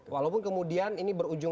walaupun kemudian ini berujung